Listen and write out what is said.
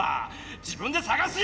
自分でさがすよ！